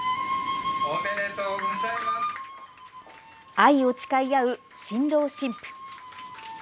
愛を誓い合う新郎新婦。